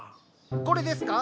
これですか？